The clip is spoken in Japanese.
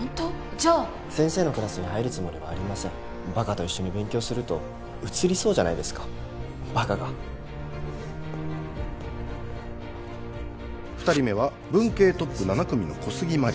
じゃあ先生のクラスに入るつもりはありませんバカと一緒に勉強するとうつりそうじゃないですかバカが二人目は文系トップ７組の小杉麻里